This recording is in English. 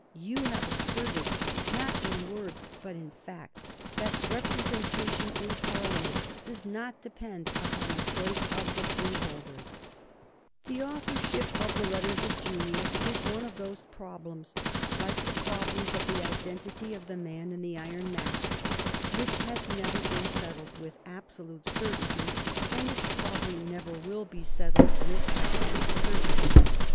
You have asserted, not in words but in fact, that representation in Parliament does not depend upon the choice of the freeholders." [Sidenote: 1769 The identity of Junius] The authorship of the letters of Junius is one of those problems, like the problems of the identity of the Man in the Iron Mask, which have never been settled with absolute certainty and which probably never will be settled with absolute certainty.